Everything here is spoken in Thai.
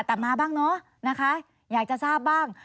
แต่มาบ้างเนอะนะคะอยากจะทราบบ้าง